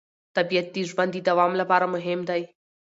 طبیعت د ژوند د دوام لپاره مهم دی